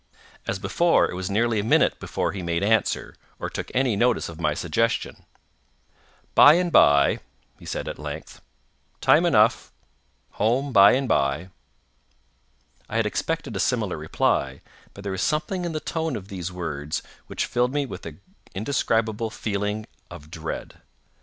As before, it was nearly a minute before he made answer, or took any notice of my suggestion. "By and by," said he at length—"time enough—home by and by." I had expected a similar reply, but there was something in the tone of these words which filled me with an indescribable feeling of dread.